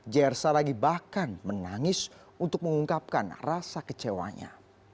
jr saragi bahkan menangis untuk mengungkapkan rasa kecewanya